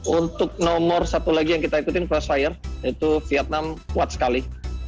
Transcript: untuk nomor satu lagi yang kita ikutin frust fire itu vietnam kuat sekali